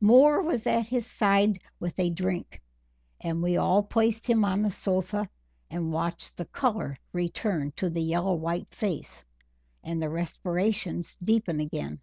Moore was at his side with a drink, and we all placed him on the sofa and watched the color return to the yellow white face, and the respirations deepen again.